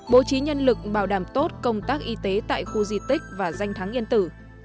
bố trí nhân lực bảo đảm tốt công tác y tế tại khu di tích và danh thắng yên tử